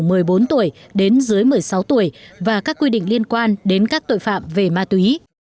phạm vi chịu trách nhiệm hình sự của người từ một mươi bốn tuổi đến dưới một mươi sáu tuổi và các quy định liên quan đến các tội phạm về ma túy